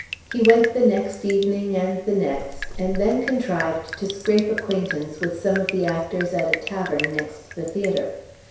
He went the next evening, and the next, and then contrived to scrape acquaintance with some of the actors at a tavern next the theatre.